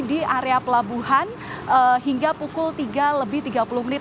di area pelabuhan hingga pukul tiga lebih tiga puluh menit